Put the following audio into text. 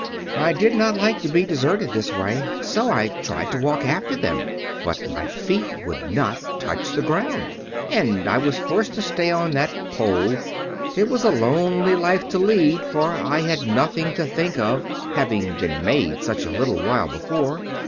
"I did not like to be deserted this way. So I tried to walk after them. But my feet would not touch the ground, and I was forced to stay on that pole. It was a lonely life to lead, for I had nothing to think of, having been made such a little while before.